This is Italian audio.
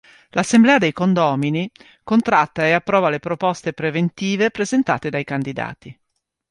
L'Assemblea dei condomini, contratta e approva le proposte preventive presentate dai candidati.